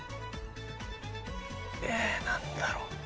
え何だろう？